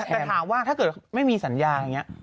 แต่ถามว่าถ้าเกิดไม่มีสัญญาอย่างนี้